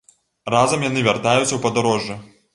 Разам яны вяртаюцца ў падарожжа.